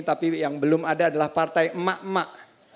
tapi yang belum ada adalah partai emak emak